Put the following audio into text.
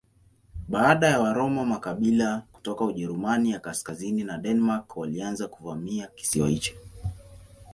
Baada ya Waroma makabila kutoka Ujerumani ya kaskazini na Denmark walianza kuvamia kisiwa hicho.